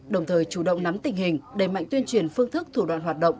đồng thời chủ động nắm tình hình đẩy mạnh tuyên truyền phương thức thủ đoạn hoạt động